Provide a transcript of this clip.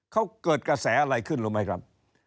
เขาเกิดกระแสอะไรขึ้นรู้ไหมครับ